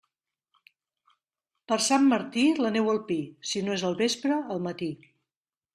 Per Sant Martí, la neu al pi; si no és al vespre, al matí.